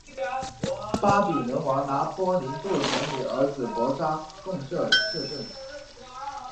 巴比伦王拿波尼度曾与儿子伯沙撒共同摄政。